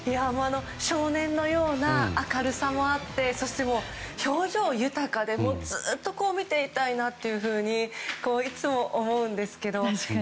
少年のような明るさもあってそして表情豊かでずっと見ていたいなっていうふうにいつも思うんですけど。